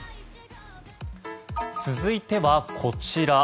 続いては、こちら。